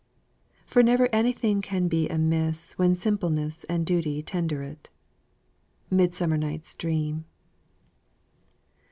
"For never any thing can be amiss When simpleness and duty tender it." MIDSUMMER NIGHT'S DREAM.